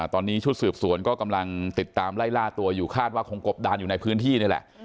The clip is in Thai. ตอนนี้ชุดสืบสวนก็กำลังติดตามไล่ล่าตัวอยู่คาดว่าคงกบดานอยู่ในพื้นที่นี่แหละ